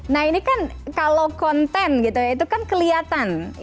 nah ini kan kalau konten itu kan kelihatan